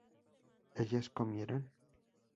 ¿ellas comieran?